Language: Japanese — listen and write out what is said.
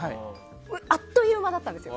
あっという間だったんですよ。